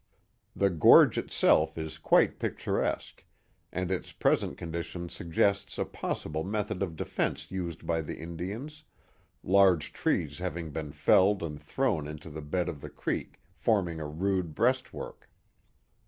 The gorge itself is quite picturesque, and its present condition suggests a possible method of defence used by the Indians, large trees having been felled and thrown into the bed of the creek, forming a rude breastwork.